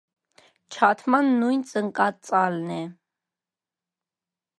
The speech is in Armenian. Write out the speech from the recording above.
Չաթման նույն ծնկածալն է։